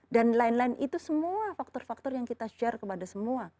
dan lain lain itu semua faktor faktor yang kita share kepada semua